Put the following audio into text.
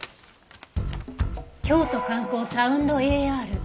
「京都観光サウンドＡＲ」。